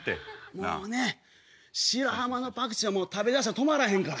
もうね白浜のパクチーは食べだしたら止まらへんから。